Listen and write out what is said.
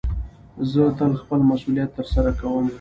زه تل خپل مسئولیت ترسره کوم.